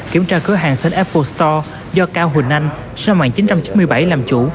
kiểm tra cửa hàng sân apple store do cao huỳnh anh sân mạng chín trăm chín mươi bảy làm chủ